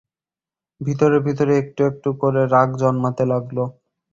ভিতরে ভিতরে একটু একটু করে রাগ জন্মাতে লাগল।